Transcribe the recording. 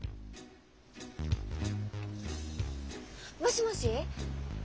もしもし？